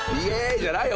じゃないよ。